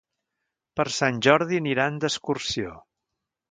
Per Sant Jordi aniran d'excursió.